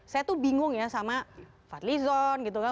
saya tuh bingung ya sama fadlizon gitu kan